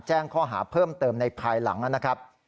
แจ้งข้อหาเพิ่มเติมในภายหลังนะครับ